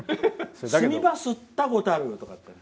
すみばすったことあるとか。